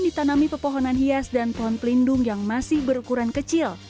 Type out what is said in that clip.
ditanami pepohonan hias dan pohon pelindung yang masih berukuran kecil